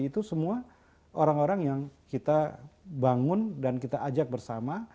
itu semua orang orang yang kita bangun dan kita ajak bersama